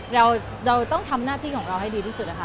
เราต้องทำหน้าที่ของเราให้ดีที่สุดนะคะ